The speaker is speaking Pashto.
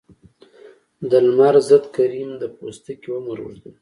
د لمر ضد کریم د پوستکي عمر اوږدوي.